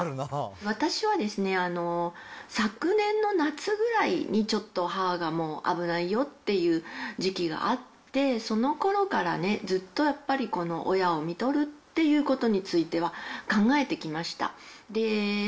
私はですね、昨年の夏ぐらいにちょっと母がもう危ないよっていう時期があって、そのころからね、ずっとやっぱり親をみとるっていうことについては、考えてきました。